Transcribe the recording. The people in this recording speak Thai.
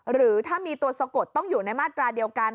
หรือถ้ามีตัวสะกดต้องอยู่ในมาตราเดียวกัน